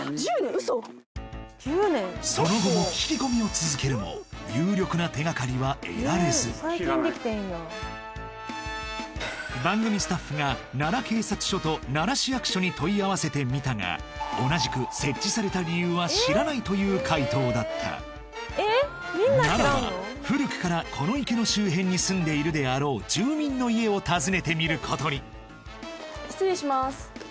ウソその後も聞き込みを続けるも番組スタッフが奈良警察署と奈良市役所に問い合わせてみたが同じく設置された理由は知らないという回答だったならば古くからこの池の周辺に住んでいるであろう住民の家を訪ねてみることに失礼します